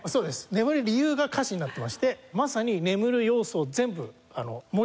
眠る理由が歌詞になってましてまさに眠る要素を全部あの盛り込んでおりますので。